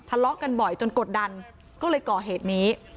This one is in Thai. ทะเลาะกันบ่อยจนกดดันก็เลยก่อเหตุนี้